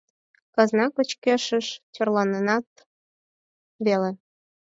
- Казна кочкышеш тӧрланенат веле.